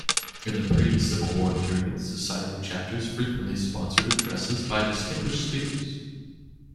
In the pre-Civil War period Society chapters frequently sponsored addresses by distinguished speakers.